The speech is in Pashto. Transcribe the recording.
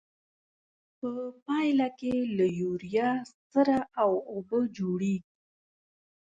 په پایله کې له یوریا سره او اوبه جوړیږي.